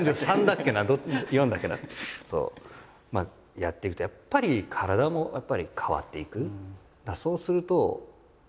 やっていくとやっぱり体もやっぱり変わっていく。